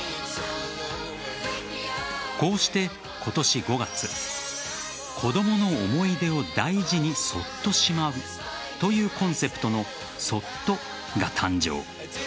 こうして今年５月子供の思い出を大事にそっとしまうというコンセプトのＳｏｔｔｏが誕生。